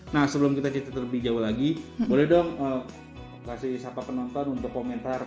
nah sebelum kita cerita lebih jauh lagi boleh dong kasih sapa penonton untuk komentar